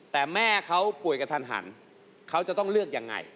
แต่แม่เขาป่วยกระทันหันเขาจะต้องเลือกยังไง